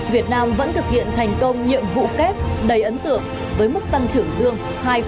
việt nam vẫn thực hiện thành công nhiệm vụ kép đầy ấn tượng với mức tăng trưởng dương hai chín mươi một